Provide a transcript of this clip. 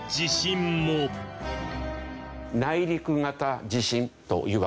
内陸型地震というわけです。